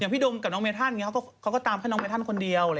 พี่โดมกับน้องเมธันเขาก็ตามให้น้องเมธันคนเดียว